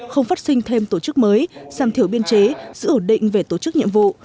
không phát sinh thêm tổ chức mới giảm thiểu biên chế giữ ổn định về tổ chức nhiệm vụ